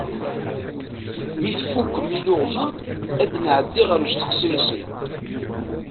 Mi tfukkem iluɣma ad nɛeddi ɣer usteɣsi-nsen.